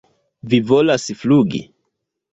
Vi volas flugi?